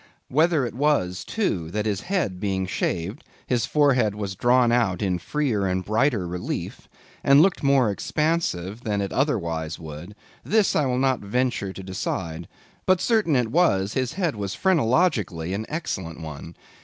Whether it was, too, that his head being shaved, his forehead was drawn out in freer and brighter relief, and looked more expansive than it otherwise would, this I will not venture to decide; but certain it was his head was phrenologically an excellent one.